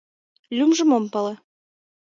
Лӱмжым ом пале...